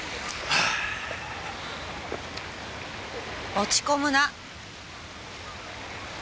落ち込むな。